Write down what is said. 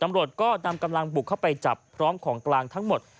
ตำรวจก็นำกำลังบุกเข้าไปจับพร้อมของกลางทั้งหมด